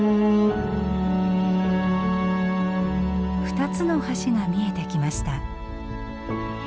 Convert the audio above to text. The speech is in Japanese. ２つの橋が見えてきました。